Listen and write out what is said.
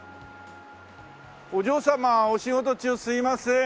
お嬢様お仕事中すいません。